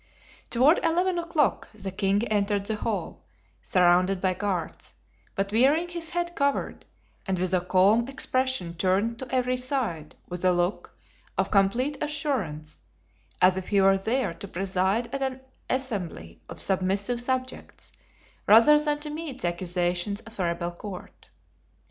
Toward eleven o'clock the king entered the hall, surrounded by guards, but wearing his head covered, and with a calm expression turned to every side with a look of complete assurance, as if he were there to preside at an assembly of submissive subjects, rather than to meet the accusations of a rebel court.